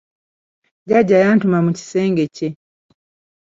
Jjajja yantuma mu kisenge kye.